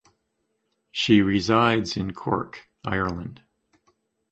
She resides in Cork, Ireland.